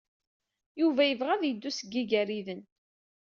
Yuba yebɣa ad yeddu seg Igariden.